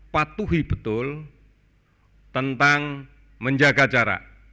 patuhi betul tentang menjaga jarak